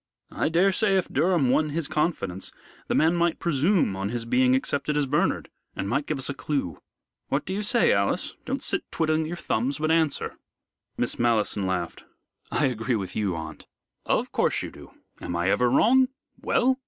I daresay if Durham won his confidence, the man might presume on his being accepted as Bernard, and might give us a clue. What do you say, Alice? Don't sit twiddling your thumbs, but answer." Miss Malleson laughed. "I agree with you, aunt." "Of course you do. Am I ever wrong? Well?"